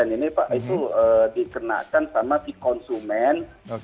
itu dikenakan sama si konsumen